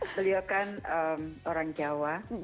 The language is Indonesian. beliau kan orang jawa